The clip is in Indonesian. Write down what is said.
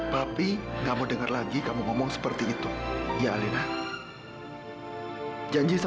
mila mohon mila gak akan tenang sebelum mila lihat kamila